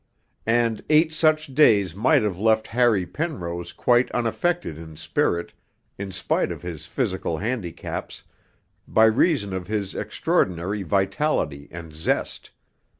And eight such days might have left Harry Penrose quite unaffected in spirit, in spite of his physical handicaps, by reason of his extraordinary vitality and zest.